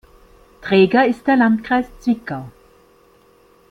Träger ist der Landkreis Zwickau.